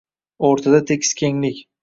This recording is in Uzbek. O’rtada tekis kenglik